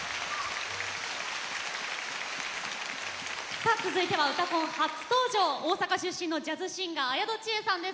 さあ続いては「うたコン」初登場大阪出身のジャズシンガー綾戸智恵さんです。